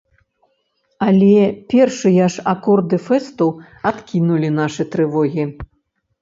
Але першыя ж акорды фэсту адкінулі нашы трывогі.